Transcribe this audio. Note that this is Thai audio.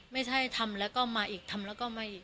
ไม่ใช่ทำแล้วก็มาอีกทำแล้วก็ไม่อีก